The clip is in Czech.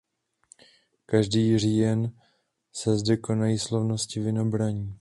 Každý říjen se zde konají slavnosti vinobraní.